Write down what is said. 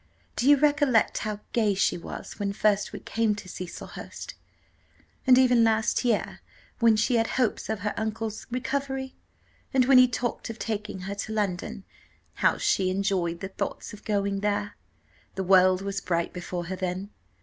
Do you recollect how gay she was when first we came to Cecilhurst? and even last year, when she had hopes of her uncle's recovery, and when he talked of taking her to London, how she enjoyed the thoughts of going there! The world was bright before her then.